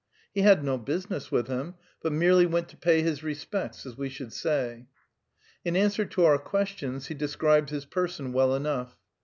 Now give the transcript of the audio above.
He had no business with him, but merely went to pay his respects, as we should say. In answer to our questions, he described his person well enough.